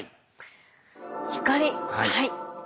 はい。